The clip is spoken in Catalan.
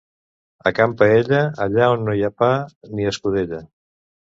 A Can Paella, allà on no hi ha pa ni escudella.